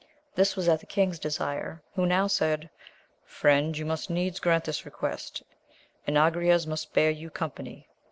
This was at the king's desire, who now said, friend, you must needs grant this request, and Agrayes must bear you com pany.